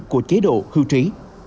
của chế độ hư trí